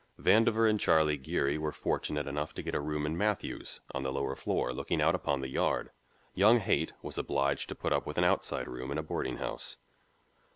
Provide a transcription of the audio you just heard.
Vandover and Charlie Geary were fortunate enough to get a room in Matthew's on the lower floor looking out upon the Yard; young Haight was obliged to put up with an outside room in a boarding house.